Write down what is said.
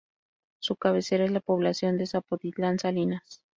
Su cabecera es la población de Zapotitlán Salinas.